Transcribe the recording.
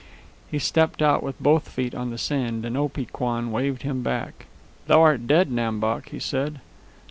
He stepped out with both feet on the sand, and Opee Kwan waved him back. "Thou art dead, Nam Bok," he said.